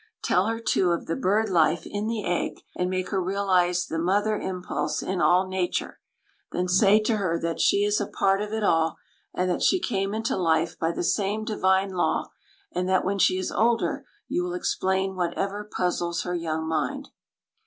Tell her, too, of the bird life in the egg, and make her realize the mother impulse in all nature. Then say to her that she is a part of it all and that she came into life by the same divine law, and that when she is older you will explain whatever puzzles her young mind.